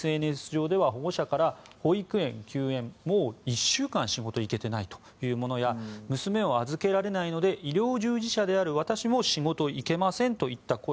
ＳＮＳ上では、保護者から保育園休園もう１週間仕事行けていないというものや娘を預けられないので医療従事者である私も仕事へ行けませんといった